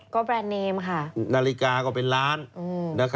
ก็แบรนด์เนมค่ะนาฬิกาก็เป็นล้าน